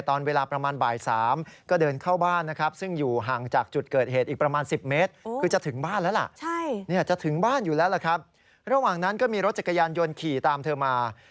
ตอนเวลาประมาณบ่าย๓ก็เดินเข้าบ้านนะครับ